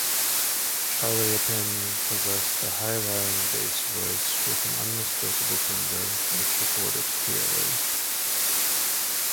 Chaliapin possessed a high-lying bass voice with an unmistakable timbre which recorded clearly.